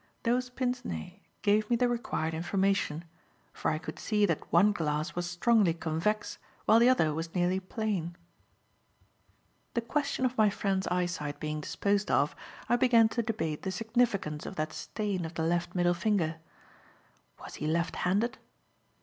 Those pince nez gave me the required information, for I could see that one glass was strongly convex while the other was nearly plane. The question of my friend's eyesight being disposed of, I began to debate the significance of that stain of the left middle finger. Was he left handed?